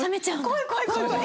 怖い怖い怖い怖い。